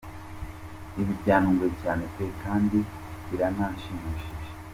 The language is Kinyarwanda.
Ibi byantunguye cyane pe! Kandi biranashimishije.